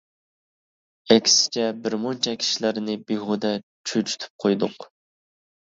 ئەكسىچە بىر مۇنچە كىشىلەرنى بىھۇدە چۆچۈتۈپ قويدۇق.